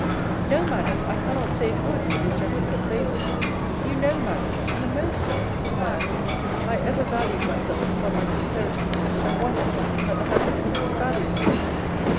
No, Madam, I cannot say it would, in this gentleman's favour. You know, Madam, you know, Sir, to my uncle, I ever valued myself upon my sincerity: and once indeed had the happiness to be valued for it.